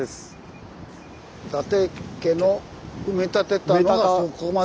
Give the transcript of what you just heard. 伊達家の埋め立てたのがそこまで。